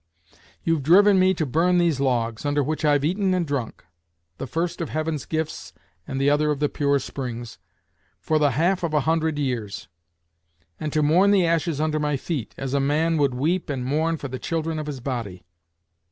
You've driven me to burn these logs, under which I've eaten and drunk the first of Heaven's gifts, and the other of the pure springs for the half of a hundred years; and to mourn the ashes under my feet, as a man would weep and mourn for the children of his body.